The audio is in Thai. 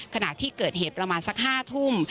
ขณะที่เกิดเหตุประมาณสัก๕ทุ่ม